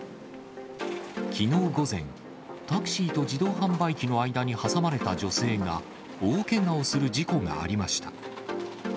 きのう午前、タクシーと自動販売機の間に挟まれた女性が大けがをする事故がありました。